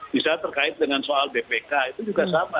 misalnya terkait dengan soal bpk itu juga sama